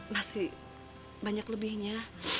masih banyak lebihnya